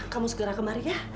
kamu segera kemari ya